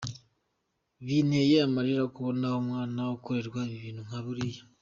Binteye amarira kubona umwana akorerwa ibintu nka biriya.